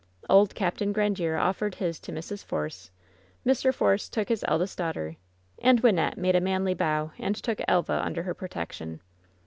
Old Capt. Grandiere offered his to Mrs. Force. Mr. Force took his eldest daughter, and Wynnette made a manly bow and took Elva under her protection.